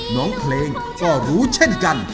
น้องเพลงก็รู้เช่นกัน